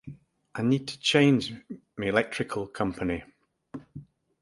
I need to change my electrical company.